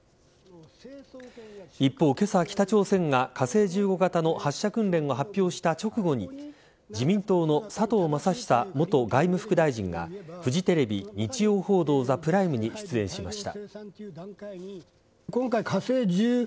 一方、今朝北朝鮮が火星１５型の発射訓練を発表した直後に自民党の佐藤正久元外務副大臣がフジテレビ「日曜報道ＴＨＥＰＲＩＭＥ」に出演しました。